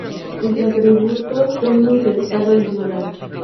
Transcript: Sus atributos son un pescado y un hacha.